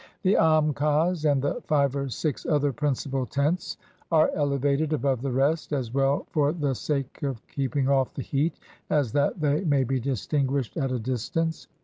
The am kas, and the five or six other principal tents, are elevated above the rest, as well for the sake of keep ing off the heat as that they may be distinguished at a distance.